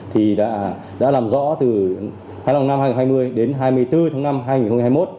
thì đã làm rõ từ hai mươi năm tháng năm năm hai nghìn hai mươi đến hai mươi bốn tháng năm năm hai nghìn hai mươi một